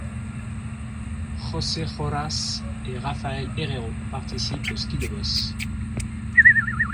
José Rojas et Rafael Herrero participent au ski de bosses.